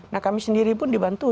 nah kami sendiri pun di barangkali kita